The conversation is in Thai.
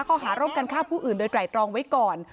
เขาหารอบการฆ่าผู้อื่นโดยใกล่อยตรองไว้ก่อน